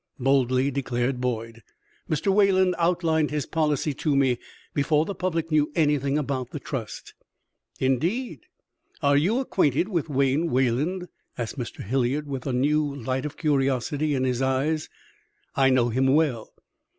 boldly declared Boyd. "Mr. Wayland outlined his policy to me before the public knew anything about the trust." "Indeed? Are you acquainted with Wayne Wayland?" asked Mr. Hilliard, with a new light of curiosity in his eyes. "I know him well."